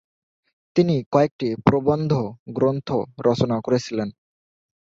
তিনি কয়েকটি প্রবন্ধ গ্রন্থ রচনা করেছিলেন।